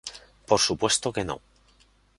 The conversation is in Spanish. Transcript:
Por supuesto, que no.